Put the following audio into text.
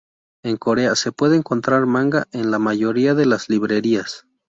En Corea, se puede encontrar manga en la mayoría de las librerías.